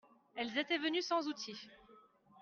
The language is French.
Elles étaient venus sans outil.